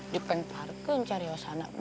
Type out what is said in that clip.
di pengparken cari awas anak gue